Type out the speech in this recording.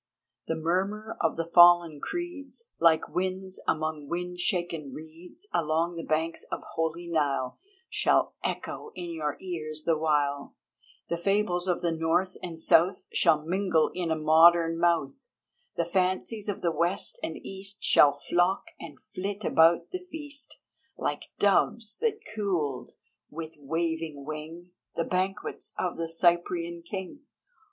_ The murmur of the fallen creeds, Like winds among wind shaken reeds Along the banks of holy Nile, Shall echo in your ears the while; The fables of the North and South Shall mingle in a modern mouth; The fancies of the West and East Shall flock and flit about the feast Like doves that cooled, with waving wing, The banquets of the Cyprian king.